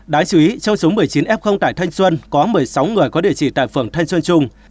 đáng chú ý trong số một mươi chín f tại thanh xuân có một mươi sáu người có địa chỉ tại phường thanh xuân trung